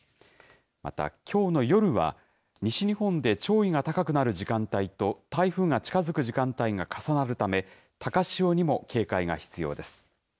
またきょうの夜は、西日本で潮位が高くなる時間帯と台風が近づく時間帯が重なるため、高潮にも警戒が必要です。